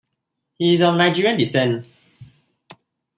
He is of Nigerian descent.